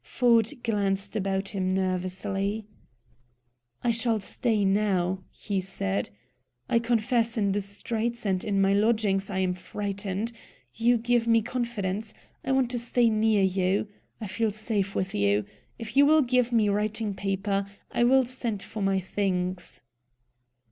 Ford glanced about him nervously. "I shall stay now," he said. "I confess, in the streets and in my lodgings I am frightened. You give me confidence. I want to stay near you. I feel safe with you. If you will give me writing paper, I will send for my things."